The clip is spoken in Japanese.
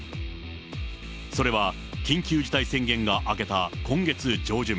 それは緊急事態宣言が明けた今月上旬。